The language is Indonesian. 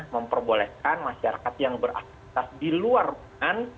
memperbolehkan masyarakat yang beraktifitas di luar ruangan